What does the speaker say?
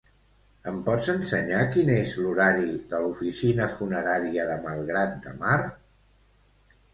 Em pots ensenyar quin és l'horari de l'oficina funerària de Malgrat de Mar?